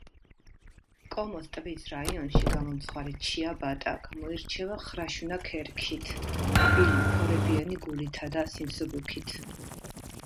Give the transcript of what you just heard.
კომოს ტბის რაიონში გამომცხვარი ჩიაბატა, გამოირჩევა ხრაშუნა ქერქით, რბილი, ფორებიანი გულითა და სიმსუბუქით.